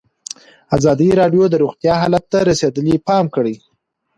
ازادي راډیو د روغتیا حالت ته رسېدلي پام کړی.